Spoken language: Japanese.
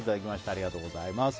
ありがとうございます。